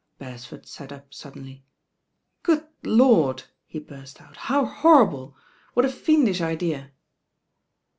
Beresford sat up suddenly. "Good Lord I" he Burst out "How horrible I What a fiendish idea."